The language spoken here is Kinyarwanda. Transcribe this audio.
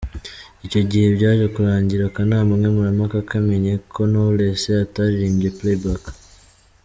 Icyo gihe byaje kurangira akanama nkemurampaka kemeye ko Knowless ataririmbye Playback.